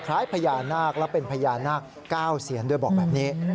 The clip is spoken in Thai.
คล้ายพญานาคและเป็นพญานาค๙เซียนด้วยบอกแบบนี้